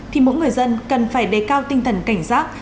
thì mỗi người dân cần phải đề cao tinh thần cảnh giác